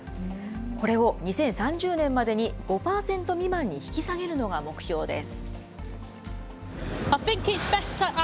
これを２０３０年までに５％未満に引き下げるのが目標です。